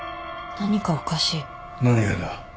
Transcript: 何がだ？